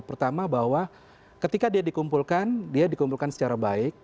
pertama bahwa ketika dia dikumpulkan dia dikumpulkan secara baik